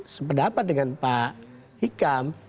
sepedapat dengan pak hikam